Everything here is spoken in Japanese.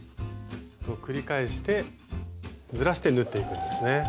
繰り返してずらして縫っていくんですね。